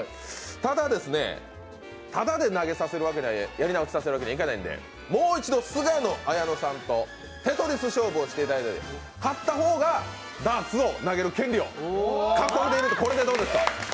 ただ、ただでやり直しさせるわけにはいかないんで、もう一度菅野綾音さんとテトリス勝負をしていただいて勝った方がダーツを投げる権利を獲得すると、これでどうですか。